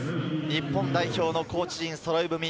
日本代表のコーチ陣そろい踏み。